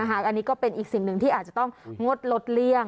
อันนี้ก็เป็นอีกสิ่งหนึ่งที่อาจจะต้องงดลดเลี่ยง